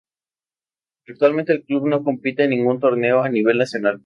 Actualmente el club no compite en ningún torneo a nivel nacional.